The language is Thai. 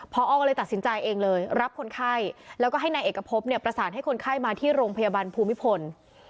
พอก็เลยตัดสินใจเองเลยรับคนไข้แล้วก็ให้นายเอกพบเนี่ยประสานให้คนไข้มาที่โรงพยาบาลภูมิพล